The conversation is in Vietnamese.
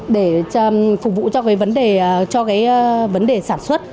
để phục vụ cho vấn đề sản xuất